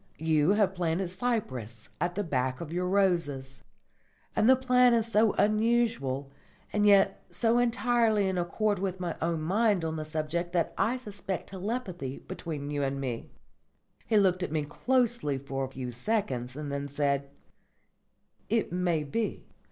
You have planted cypress at the back of your roses; and the plan is so unusual and yet so entirely in accord with my own mind on the subject that I suspect telepathy between you and me." He looked at me closely for a few seconds, and then said: "It may be.